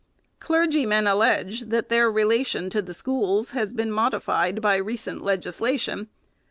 Clergymen allege, that their relation to the schools has been modified by recent legislation.